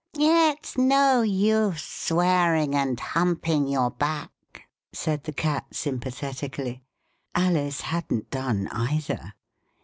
It's no use swearing and humping your back," said the Cat sympathetically. (Alice hadn't done either.)